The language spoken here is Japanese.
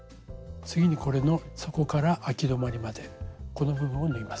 次にこれの底からあき止まりまでこの部分を縫います。